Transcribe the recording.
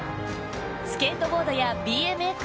スケートボードやＢＭＸ